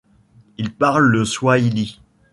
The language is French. Il parle le swahili.